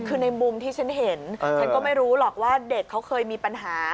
คือในมุมที่ฉันเห็นฉันก็ไม่รู้หรอกว่าเด็กเขาเคยมีปัญหา